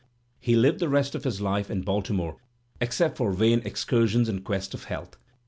He Uved the rest of his life in Baltimore, except for vain excursions in quest of health.